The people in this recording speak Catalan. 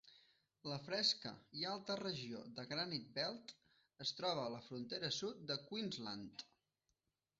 La fresca i alta regió de Granite Belt es troba a la frontera sud de Queensland.